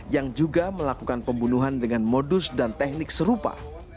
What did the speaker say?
yang juga melakukan pembunuhan dengan modus dan teknik serupa